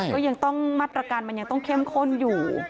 ก็ยังต้องมาตรการมันยังต้องเข้มข้นอยู่